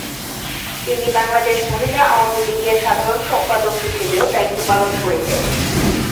তিনি বাংলাদেশ মহিলা আওয়ামী লীগের সাধারণ সম্পাদক হিসেবেও দায়িত্ব পালন করেছেন।